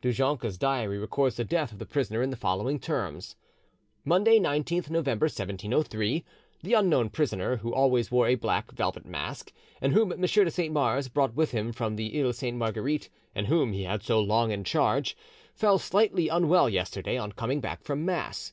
Du Jonca's diary records the death of the prisoner in the following terms:— "Monday, 19th November 1703. The unknown prisoner, who always wore a black velvet mask, and whom M. de Saint Mars brought with him from the Iles Sainte Marguerite, and whom he had so long in charge, felt slightly unwell yesterday on coming back from mass.